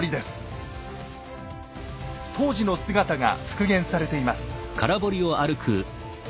当時の姿が復元されています。